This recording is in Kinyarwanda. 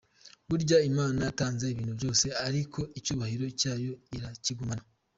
Burya Imana yatanze ibintu byose ariko icyubahiro cyayo irakigumana.